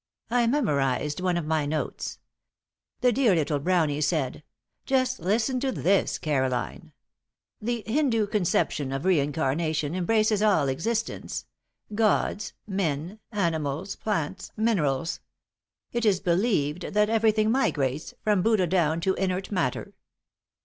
I memorized one of my notes. The dear little brownie said just listen to this, Caroline: 'The Hindu conception of reincarnation embraces all existence gods, men, animals, plants, minerals. It is believed that everything migrates, from Buddha down to inert matter.